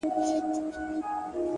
ریښتینی پرمختګ له دننه پیلېږي!